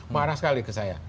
marah sekali ke saya